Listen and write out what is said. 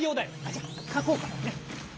じゃかこうか！ね。